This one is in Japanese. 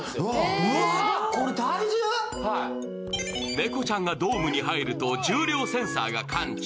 猫ちゃんがドームに入ると重量センサーが感知。